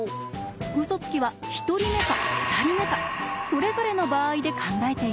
ウソつきは１人目か２人目かそれぞれの場合で考えていきます。